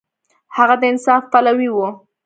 هغه د انصاف پلوی و.